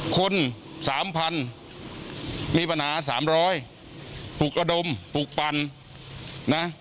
คน๓๐๐๐มีปัญหา๓๐๐ปลุกระดมปลูกปั่นนะ